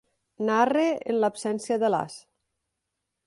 Narra en l'absència de l'as.